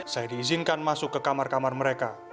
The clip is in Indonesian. saya diizinkan masuk ke kamar kamar mereka